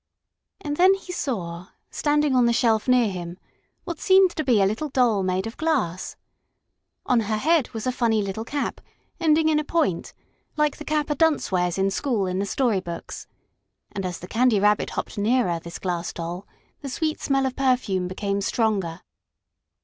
And then he saw, standing on the shelf near him, what seemed to be a little doll made of glass. On her head was a funny little cap, ending in a point, like the cap a dunce wears in school in the story books, and as the Candy Rabbit hopped nearer this Glass Doll the sweet smell of perfume became stronger.